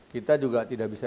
kita juga tidak bisa